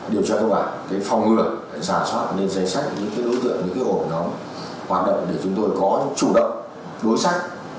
điều tra công bản phòng ngừa giả soạn lên giấy sách những đối tượng những hộp nó hoạt động để chúng tôi có chủ động đối sách